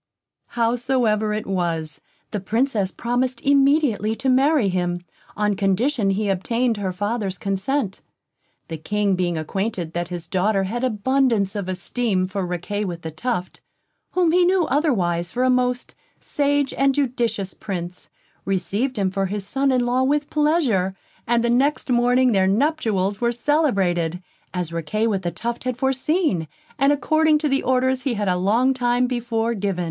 Howsoever it was, the Princess promised immediately to marry him, on condition he obtained her father's consent. The King being acquainted that his daughter had abundance of esteem for Riquet with the Tuft, whom he knew otherwise for a most sage and judicious Prince, received him for his son in law with pleasure; and the next morning their nuptials were celebrated, as Riquet with the Tuft had foreseen, and according to the orders he had a long time before given.